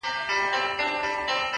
• هم چالاکه هم غښتلی هم هوښیار وو ,